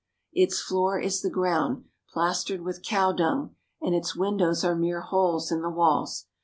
Its floor is the ground, plastered with cow dung, and its windows are mere holes in the walls.